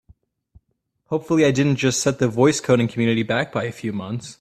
Hopefully I didn't just set the voice coding community back by a few months!